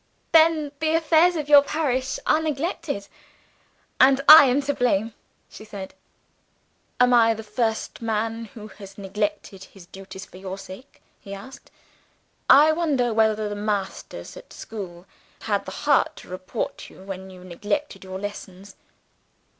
"Then the affairs of your parish are neglected and I am to blame!" she said. "Am I the first man who has neglected his duties for your sake?" he asked. "I wonder whether the masters at school had the heart to report you when you neglected your lessons?"